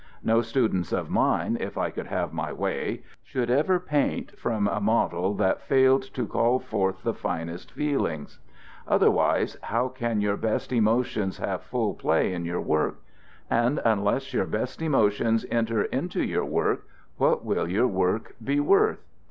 No students of mine, if I could have my way, should ever paint from a model that failed to call forth the finest feelings. Otherwise, how can your best emotions have full play in your work; and unless your best emotions enter into your work, what will your work be worth?